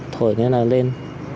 thổi thế là lên